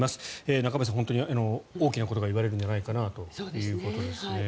中林さん、本当に大きなことが言われるんじゃないかということですね。